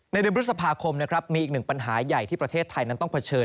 เดือนพฤษภาคมนะครับมีอีกหนึ่งปัญหาใหญ่ที่ประเทศไทยนั้นต้องเผชิญ